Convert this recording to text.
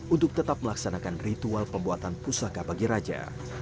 untuk tetap melaksanakan ritual pembuatan pusaka bagi raja